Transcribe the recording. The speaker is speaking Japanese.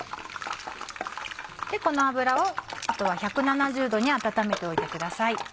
この油をあとは１７０℃に温めておいてください。